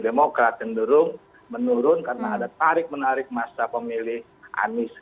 dan itu wajar karena ada dua partai yang lain yaitu demokrat yang menurun karena ada tarik menarik masa pemilih anis antara kedua partai tersebut